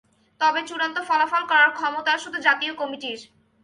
তবে চূড়ান্ত ফলাফল করার ক্ষমতা শুধু জাতীয় কমিটির।